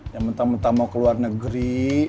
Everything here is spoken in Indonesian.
yang mentah mentah mau ke luar negeri